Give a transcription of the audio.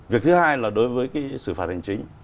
việc thứ hai là đối với cái xử phạt hành chính